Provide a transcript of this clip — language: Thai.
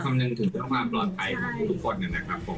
กำหนดถึงความปลอดภัยของทุกคนนะครับผม